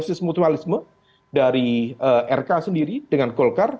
ini adalah sebuah simbiasis mutualisme dari rk sendiri dengan golkar